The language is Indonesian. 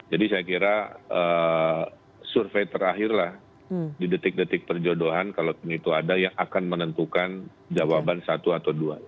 jadi saya kira survei terakhirlah di detik detik perjodohan kalau itu ada yang akan menentukan jawaban satu atau dua